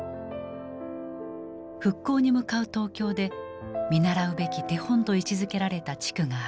復興に向かう東京で見習うべき手本と位置づけられた地区がある。